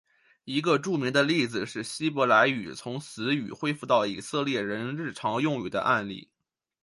一个最著名的例子是希伯来语从死语恢复到以色列人日常用语的案例。